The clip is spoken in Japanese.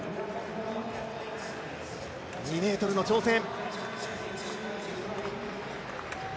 ２ｍの挑戦。